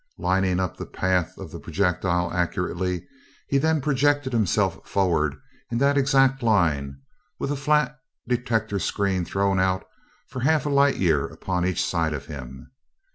Lining up the path of the projectile accurately, he then projected himself forward in that exact line, with a flat detector screen thrown out for half a light year upon each side of him.